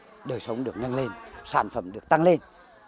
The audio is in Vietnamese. bà con đều sống được nâng lên sản phẩm được tăng lên